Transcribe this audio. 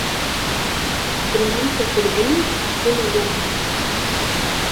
Tellamt tregglemt imeẓẓuɣen-nwent.